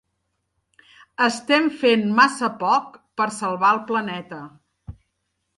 Estem fent massa poc per salvar el planeta.